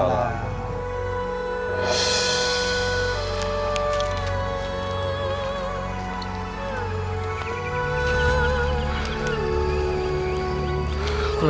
aku lelah sekali